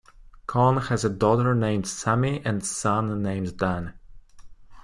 Cohn has a daughter named Sammy and a son named Dan.